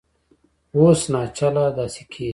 اوس ناچله دا سکې دي